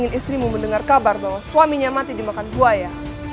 dan istrimu mendengar kabar bahwa suaminya mati dimakan buaya